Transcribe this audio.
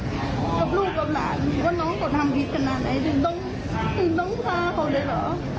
กับลูกกับหลานคือน้องตกทำพิษขนาดไหนนี่ต้องพาเขาได้เหรอ